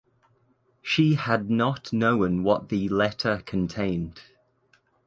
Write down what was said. She had not known what the letter contained.